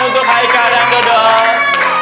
untuk haikal dan dodot